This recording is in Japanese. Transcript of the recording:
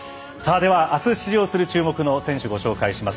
ではあす出場する注目の選手ご紹介します。